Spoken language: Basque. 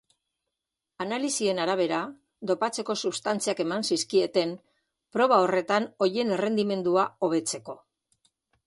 Analisien arabera, dopatzeko substantziak eman zizkieten proba horretan horien errendimendua hobetzeko.